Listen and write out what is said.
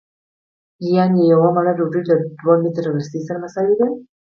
یانې یوه مړۍ ډوډۍ له دوه متره رسۍ سره مساوي ده